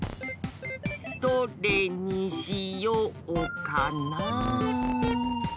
ど・れ・に・し・よ・う・か・な。